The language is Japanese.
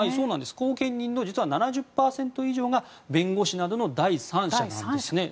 後見人の実は７０％以上が弁護士などの第三者なんです。